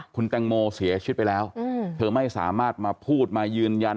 คุณแตงโมเสียชีวิตไปแล้วเธอไม่สามารถมาพูดมายืนยัน